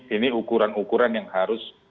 ini ukuran ukuran yang harus